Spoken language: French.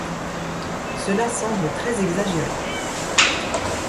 Cela semble très exagéré.